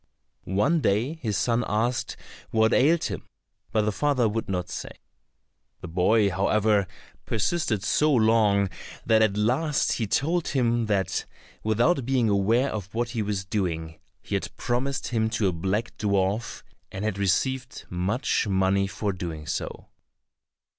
One day his son asked what ailed him, but the father would not say. The boy, however, persisted so long, that at last he told him that without being aware of what he was doing, he had promised him to a black dwarf, and had received much money for doing so.